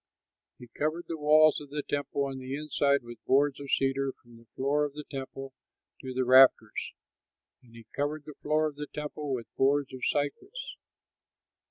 He covered the walls of the temple on the inside with boards of cedar from the floor of the temple to the rafters: and he covered the floor of the temple with boards of cypress.